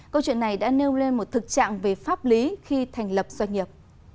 câu chuyện này đã nêu lên một thực trạng về pháp lý khi thành lập doanh nghiệp